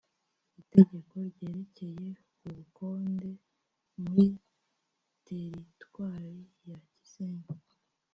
itegeko ryerekeye ubukonde muri teritwari ya kisenyi